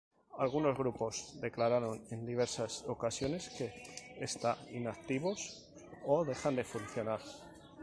Algunos grupos, declararon en diversas ocasiones que está inactivos o dejan de funcionar.